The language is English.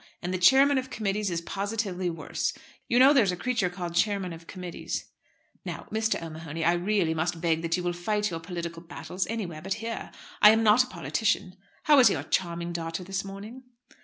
And the Chairman of Committees is positively worse. You know there's a creature called Chairman of Committees?" "Now, Mr. O'Mahony, I really must beg that you will fight your political battles anywhere but here. I'm not a politician. How is your charming daughter this morning?"